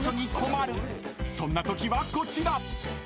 ［そんなときはこちら］